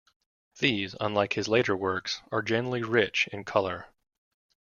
These, unlike his later works, are generally rich in colour.